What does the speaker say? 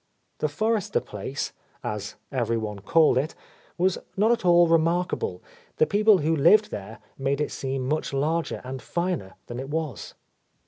The Forrester place, as every one called it, was not at all remarkable ; the people who lived there made It seem much larger and finer than it was.